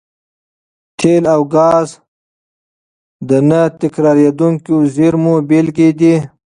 تېل او ګاز د نه تکرارېدونکو زېرمونو بېلګې دي.